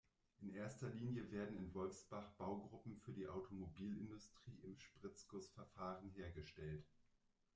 In erster Linie werden in Wolfsbach Baugruppen für die Automobilindustrie im Spritzgussverfahren hergestellt.